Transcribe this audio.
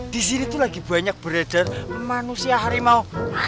di sini tuh lagi banyak beredar manusia harimau